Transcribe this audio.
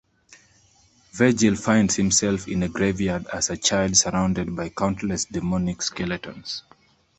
Vergil finds himself in a graveyard as a child surrounded by countless demonic skeletons.